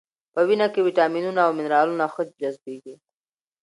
په وینه کې ویټامینونه او منرالونه ښه جذبېږي.